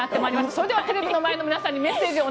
それではテレビの前の皆様にメッセージを。